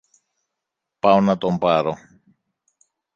πάω να τον πάρω.